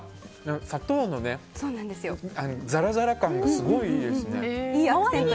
砂糖のザラザラ感がすごいいいですね。